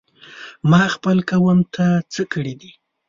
ما خپل قوم ته څه کړي دي؟!